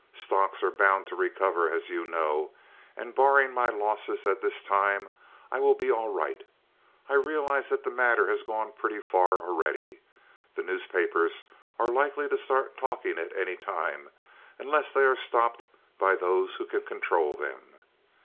Stocks are bound to recover, as you know, and, barring my losses at this time, I will be all right. I realize that the matter has gone pretty far already. The newspapers are likely to start talking at any time, unless they are stopped by those who can control them."